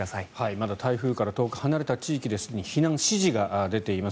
まだ台風から遠く離れた地域ですでに避難指示が出ています。